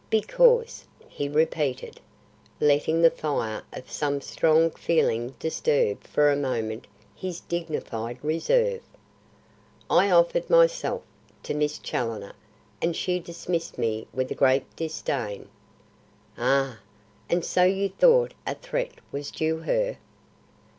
"Because," he repeated, letting the fire of some strong feeling disturb for a moment his dignified reserve, "I offered myself to Miss Challoner, and she dismissed me with great disdain." "Ah! and so you thought a threat was due her?"